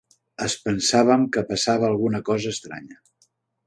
Es pensaven que passava alguna cosa estranya.